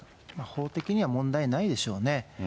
法的には問題はないでしょうね。